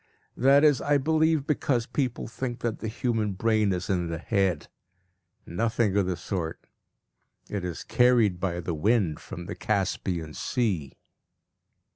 That is, I believe, because people think that the human brain is in the head. Nothing of the sort; it is carried by the wind from the Caspian Sea.